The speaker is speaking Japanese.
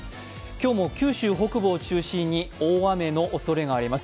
今日も九州北部を中心に大雨のおそれがあります。